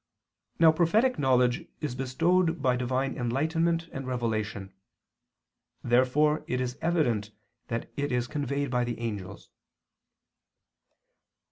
Now prophetic knowledge is bestowed by Divine enlightenment and revelation. Therefore it is evident that it is conveyed by the angels.